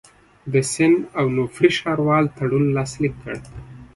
د سن اونوفري ښاروال تړون لاسلیک کړ.